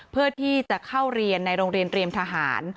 เพื่อที่จะเข้าเรียนในโรงเรียนเตรียมทหาร